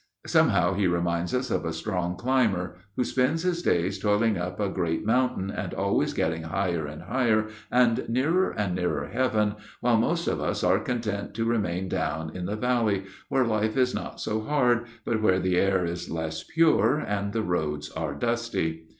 Somehow he reminds us of a strong climber, who spends his days toiling up a great mountain, and always getting higher and higher, and nearer and nearer Heaven, while most of us are content to remain down in the valley, where life is not so hard, but where the air is less pure, and the roads are dusty.